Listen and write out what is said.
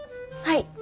はい。